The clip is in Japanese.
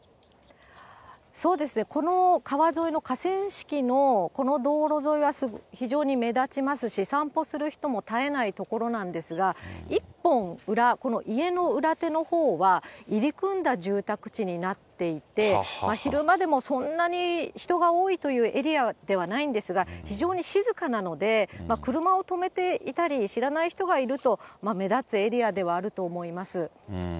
そうですね、この川沿いの河川敷のこの道路沿いは非常に目立ちますし、散歩する人も絶えない所なんですが、一本裏、この家の裏手のほうは、入り組んだ住宅地になっていて、昼間でもそんなに人が多いというエリアではないんですが、非常に静かなので、車を止めていたり、知らない人がいると目立つエリアではあると思います。